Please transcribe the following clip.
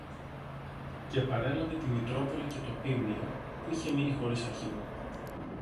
Και παρέλαβε τη Μητρόπολη και το ποίμνιο, που είχε μείνει χωρίς αρχηγό